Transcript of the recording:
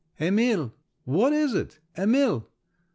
"Emil! what is it? Emil!"